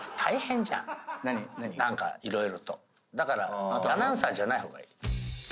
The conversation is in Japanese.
だからアナウンサーじゃない方がいい。